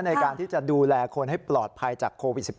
ในการที่จะดูแลคนให้ปลอดภัยจากโควิด๑๙